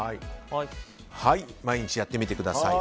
毎日やってみてください。